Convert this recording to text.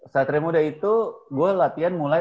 satri muda itu gue latihan mulai